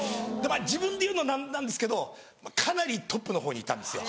自分で言うの何なんですけどかなりトップのほうにいたんですよ。